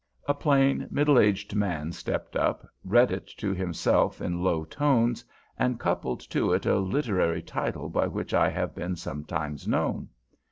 A plain, middle aged man stepped up, read it to himself in low tones, and coupled to it a literary title by which I have been sometimes known.